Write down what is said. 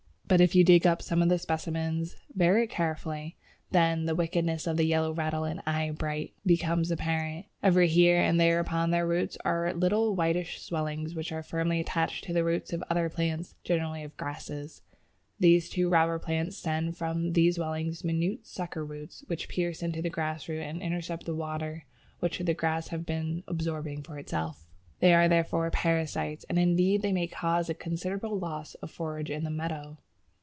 But if you dig up some specimens very carefully, then the wickedness of the Yellow Rattle and Eyebright becomes apparent; every here and there upon their roots are little whitish swellings which are firmly attached to the roots of other plants (generally of grasses). These two robber plants send from these swellings minute sucker roots which pierce into the grass root and intercept the water which the grass has been absorbing for itself. They are therefore parasites, and indeed they may cause a considerable loss of forage in a meadow.